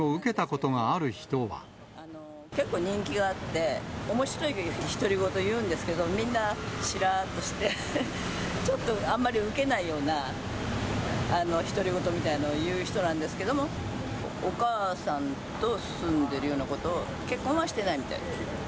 結構人気があって、おもしろい独り言言うんですけど、みんな、しらーっとして、ちょっとあんまり受けないような独り言みたいのを言う人なんですけども、お母さんと住んでるようなことを、結婚はしてないみたいです。